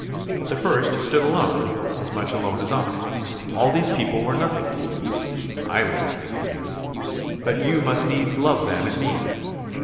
At the first you stood alone; as much alone as I. All these people were nothing to you. I was nothing to you. But you must needs love them and me.